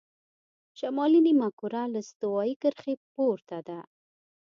شمالي نیمهکره له استوایي کرښې پورته ده.